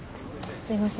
すいません。